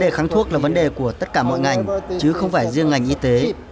động vật uống thuốc là vấn đề của tất cả mọi ngành chứ không phải riêng ngành y tế